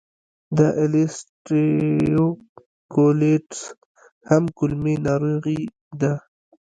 د السرېټیو کولیټس هم کولمې ناروغي ده.